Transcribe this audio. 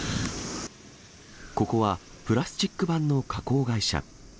ここはプラスチック板の加工会社。